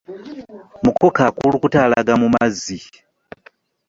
Mukoka akulukuta alaga mu mazzi.